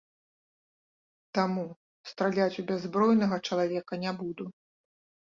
Таму, страляць у бяззбройнага чалавека не буду.